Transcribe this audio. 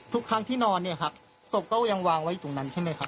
ทุกครั้งที่นอนเนี่ยครับศพก็ยังวางไว้อยู่ตรงนั้นใช่ไหมครับ